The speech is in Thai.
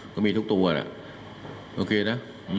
ก็มีทุกตัวแหละโอเคนะ